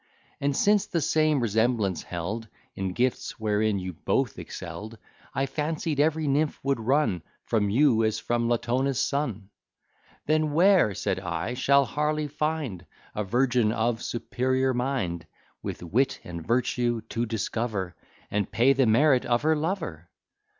And since the same resemblance held In gifts wherein you both excell'd, I fancied every nymph would run From you, as from Latona's son. Then where, said I, shall Harley find A virgin of superior mind, With wit and virtue to discover, And pay the merit of her lover?